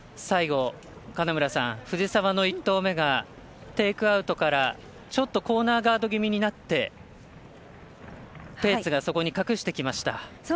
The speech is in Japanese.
最後、金村さん藤澤の１投目がテイクアウトからちょっとコーナーガード気味になってペーツがそこに隠してきました。